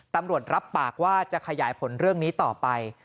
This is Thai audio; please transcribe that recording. ตำรวจรับปากว่าจะขยายผลเรื่องนี้ต่อไป